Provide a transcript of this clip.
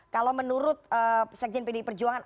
kalau menurut sekjen pdi perjuangan